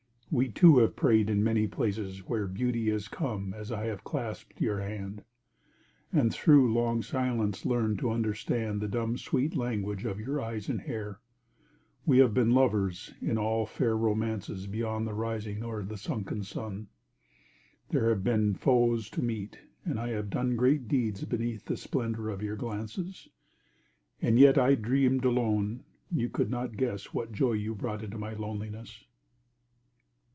We too have prayed in many places where Beauty has come as I have clasped your hand, And through long silence learned to understand The dumb sweet language of your eyes and hair. We have been lovers in all fair romances Beyond the rising or the sunken sun. There have been foes to meet, and I have done Great deeds beneath the splendor of your glances.... And yet I dreamed alone; you could not guess What joy you brought into my loneliness.